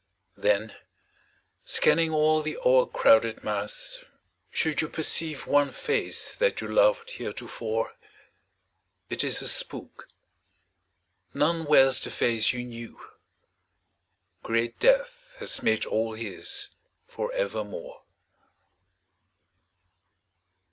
Then, scanning all the o'ercrowded mass, should you Perceive one face that you loved heretofore, It is a spook. None wears the face you knew. Great death has made all his for evermore.